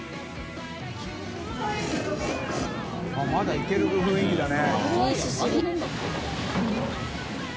まだいける雰囲気だね。